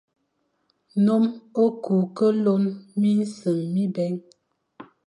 Nnôm e ku ke lon minseñ mibè.